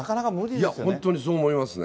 いや本当にそう思いますね。